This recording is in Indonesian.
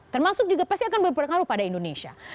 termasuk juga pasti akan berpengaruh pada indonesia